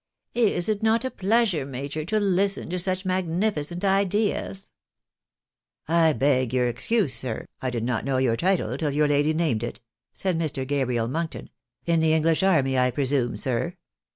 " Is it not a pleasure, major, to listen to such magnificent ideas ?"" I beg your excuse, sir, I did not know your title till your lady named it," said Mr. Gabriel Monkton. " In the English army, I presume, sir